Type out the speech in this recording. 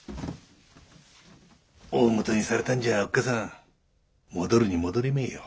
おおごとにされたんじゃおっかさん戻るに戻れめえよ。